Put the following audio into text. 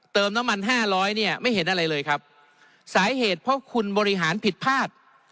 น้ำมันห้าร้อยเนี่ยไม่เห็นอะไรเลยครับสาเหตุเพราะคุณบริหารผิดพลาด